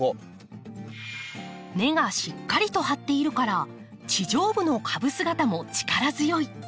根がしっかりと張っているから地上部の株姿も力強い。